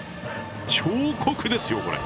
彫刻ですよこれ。